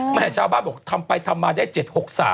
แม่ชาวบ้านบอกทำไปทำมาได้๗๖๓